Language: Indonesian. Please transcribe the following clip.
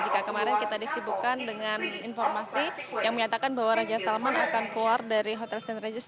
jika kemarin kita disibukkan dengan informasi yang menyatakan bahwa raja salman akan keluar dari hotel st regis